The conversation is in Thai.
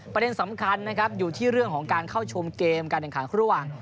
ประเด็นสำคัญนะครับอยู่ที่เรื่องของการเข้าชมเกมการแข่งขันระหว่าง